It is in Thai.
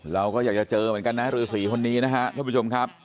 เราก็อยากจะเจอเหมือนกันนะฤษีคนนี้นะครับท่านผู้ชมครับ